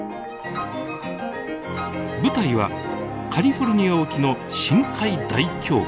舞台はカリフォルニア沖の深海大峡谷。